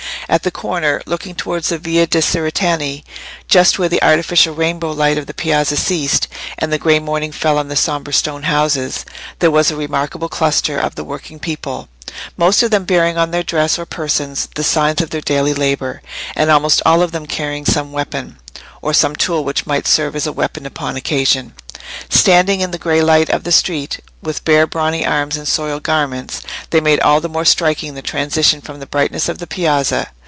At the corner, looking towards the Via de' Cerretani—just where the artificial rainbow light of the Piazza ceased, and the grey morning fell on the sombre stone houses—there was a remarkable cluster of the working people, most of them bearing on their dress or persons the signs of their daily labour, and almost all of them carrying some weapon, or some tool which might serve as a weapon upon occasion. Standing in the grey light of the street, with bare brawny arms and soiled garments, they made all the more striking the transition from the brightness of the Piazza.